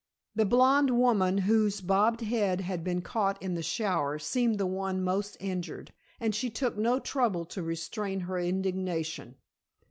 The blonde woman, whose bobbed head had been caught in the shower, seemed the one most injured, and she took no trouble to restrain her indignation!